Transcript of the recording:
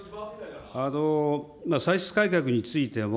歳出改革についても、